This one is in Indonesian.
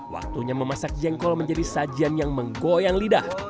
waktunya memasak jengkol menjadi sajian yang menggoyang lidah